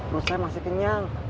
lo saya masih kenyang